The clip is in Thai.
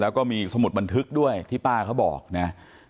แล้วก็มีสมุดบันทึกด้วยที่ป้าเขาบอกนะ